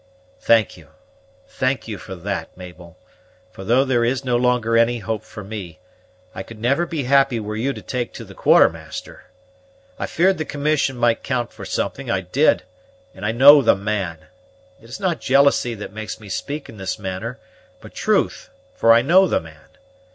"Thank you, thank you for that, Mabel, for, though there is no longer any hope for me, I could never be happy were you to take to the Quartermaster. I feared the commission might count for something, I did; and I know the man. It is not jealousy that makes me speak in this manner, but truth, for I know the man.